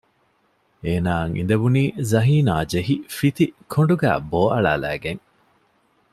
އޭނާއަށް އިނދެވުނީ ޒަހީނާ ޖެހި ފިތި ކޮނޑުގައި ބޯއަޅާލައިގެން